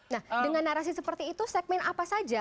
nah dengan narasi seperti itu segmen apa saja